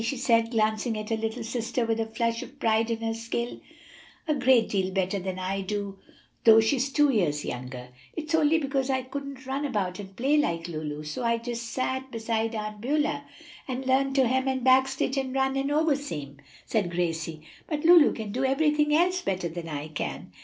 she said, glancing at her little sister with a flush of pride in her skill, "a great deal better than I can do, though she's two years younger." "It's only because I couldn't run about and play like Lulu, and so I just sat beside Aunt Beulah and learned to hem and back stitch and run and overseam," said Gracie. "But Lulu can do everything else better than I can."